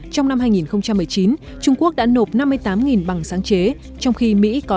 trong năm hai nghìn một mươi chín trung quốc đã nộp năm mươi tám bằng sáng chế trong khi mỹ có năm mươi bảy